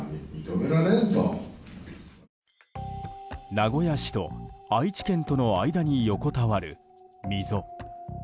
名古屋市と愛知県との間に横たわる溝。